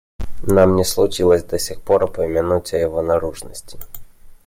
Нам не случилось до сих пор упомянуть о его наружности.